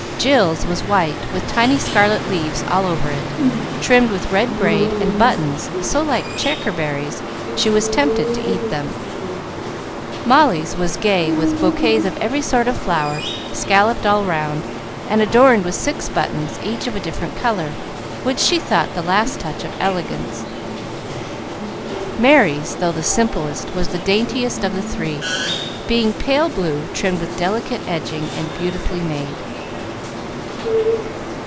Jill's was white, with tiny scarlet leaves all over it, trimmed with red braid and buttons so like checkerberries she was tempted to eat them. Molly's was gay, with bouquets of every sort of flower, scalloped all round, and adorned with six buttons, each of a different color, which she thought the last touch of elegance. Merry's, though the simplest, was the daintiest of the three, being pale blue, trimmed with delicate edging, and beautifully made.